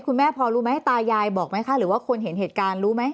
คุณแม่พอรู้ไหมตายายบอกไหมคะหรือว่าคนเห็นเหตุการณ์รู้ไหม